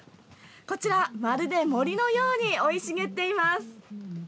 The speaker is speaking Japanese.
こちらまるで森のように生い茂っています。